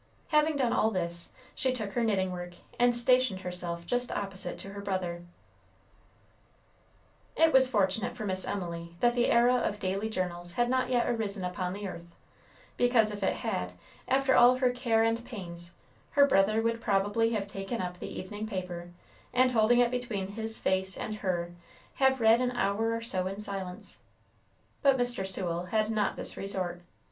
Having done all this, she took her knitting work, and stationed herself just opposite to her brother. It was fortunate for Miss Emily that the era of daily journals had not yet arisen upon the earth, because if it had, after all her care and pains, her brother would probably have taken up the evening paper, and holding it between his face and her, have read an hour or so in silence; but Mr. Sewell had not this resort.